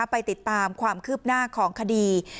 ไปติดตามความคืบหน้าของคดี